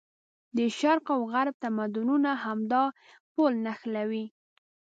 د شرق او غرب تمدونونه همدا پل نښلوي.